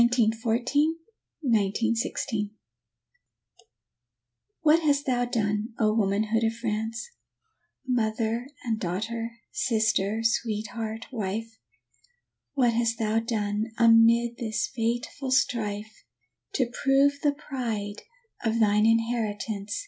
JEANNE D'ARC RETURNS 1914 1916 What hast thou done, O womanhood of France, Mother and daughter, sister, sweetheart, wife, What hast thou done, amid this fateful strife, To prove the pride of thine inheritance.